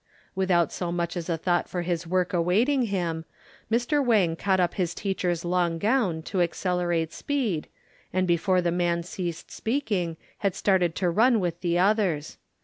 Without so much as a thought for his work awaiting him, Mr. Wang caught up his teacher's long gown to accelerate speed, and before the man ceased speaking had started to run with the others.